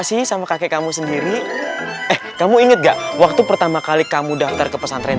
sih sama kakek kamu sendiri eh kamu ingat gak waktu pertama kali kamu daftar ke pesantren